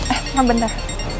eh mama bentar